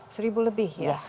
seribu lebih ya